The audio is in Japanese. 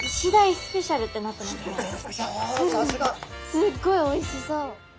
すっごいおいしそう！